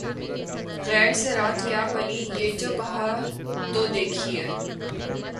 ’’ غیر سے رات کیا بنی ‘‘ یہ جو کہا‘ تو دیکھیے